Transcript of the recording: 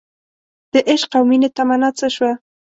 دعشق او مینې تمنا څه شوه